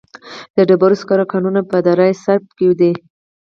د ډبرو سکرو کانونه په دره صوف کې دي